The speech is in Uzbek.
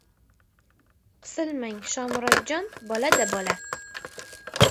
Qisilmang, Shomurodjon. Bola-da, bola!